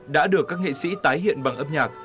đã được các nghệ sĩ tái hiện bằng âm nhạc